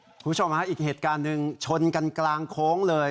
คุณผู้ชมฮะอีกเหตุการณ์หนึ่งชนกันกลางโค้งเลย